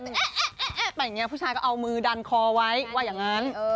เอ๊ะไปอย่างนี้ผู้ชายก็เอามือดันคอไว้ว่าอย่างนั้น